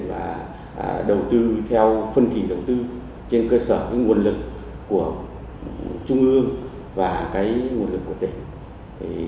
và đầu tư theo phân kỳ đầu tư trên cơ sở nguồn lực của trung ương và nguồn lực của tỉnh